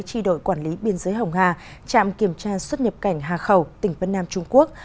chi đội quản lý biên giới hồng hà trạm kiểm tra xuất nhập cảnh hà khẩu tỉnh vân nam trung quốc